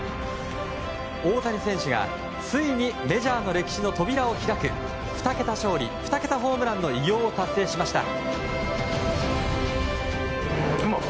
大谷選手が、ついにメジャーの歴史の扉を開く２桁勝利２桁ホームランの偉業を達成しました。